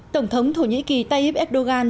tổng thống thổ nhĩ kỳ tayyip erdogan